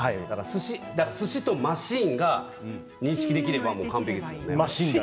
すしとマシンが認識できれば完璧ですよね。